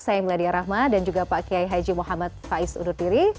saya meladia rahma dan juga pak kiai haji muhammad faiz undur diri